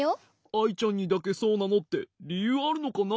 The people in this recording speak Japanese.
アイちゃんにだけそうなのってりゆうあるのかな？